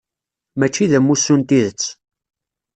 Mačči d amussu n tidet.